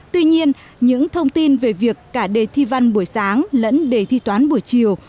tuy nhiên những thông tin về việc cả đề thi văn buổi sáng lẫn đề thi toán buổi chiều